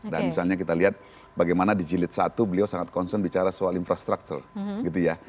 dan misalnya kita lihat bagaimana di jilid satu beliau sangat concern bicara soal infrastructure gitu ya